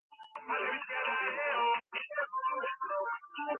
გამოჭრა იმ მხრიდან იწყება, საიდანაც ქარი უბერავს, რადგან აქ თოვლი უფრო მკვრივია.